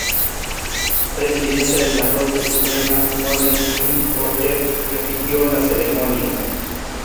Presidente de la Corte Suprema Warren E. Burger repitió la ceremonia.